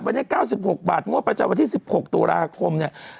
วันนี้๙๖บาทงวดประจำวันที่๑๖ตุลาคมเนี่ย